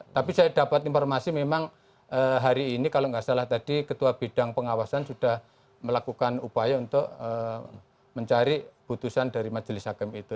tapi saya dapat informasi memang hari ini kalau nggak salah tadi ketua bidang pengawasan sudah melakukan upaya untuk mencari putusan dari majelis hakim itu